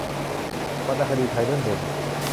วรรณคดีไทยเรื่องเด่น